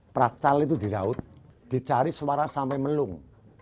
pracal itu di laut dicari suara sampai melung